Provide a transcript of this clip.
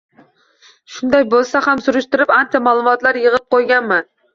Shunday bo`lsa ham surishtirib, ancha ma`lumotlar yig`ib qo`yganman